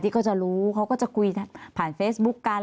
ก็จะรู้เขาก็จะคุยผ่านเฟซบุ๊คกัน